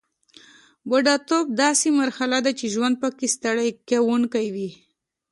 بوډاتوب داسې مرحله ده چې ژوند پکې ستړي کوونکی وي